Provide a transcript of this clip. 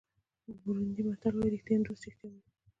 بورونډي متل وایي ریښتینی دوست رښتیا وایي.